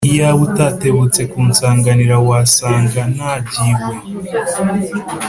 Iyaba utatebutse kunsanganira wa sanga najyiwe